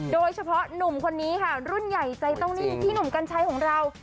โดยเฉพาะหนุ่มคนนี้ค่ะรุ่นใหญ่ใจเต้านิ่งพี่หนุ่มกัญชัยของเรา